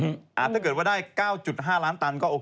ถ้าเกิดว่าได้๙๕ล้านตันก็โอเค